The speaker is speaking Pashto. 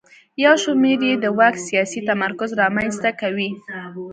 یو شمېر یې د واک سیاسي تمرکز رامنځته کوي.